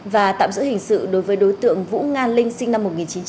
và tạm giữ hình sự đối với đối tượng vũ nga linh sinh năm một nghìn chín trăm tám mươi